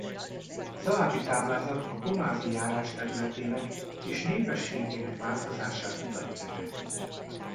Az alábbi táblázat a Pomázi járás területének és népességének változását mutatja be.